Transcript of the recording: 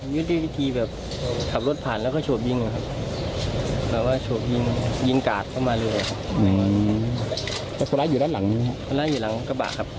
ยืดด้วยวิธีแบบขับรถผ่านแล้วก็โฉบยิงนะครับ